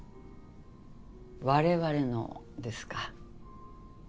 「我々の」ですか。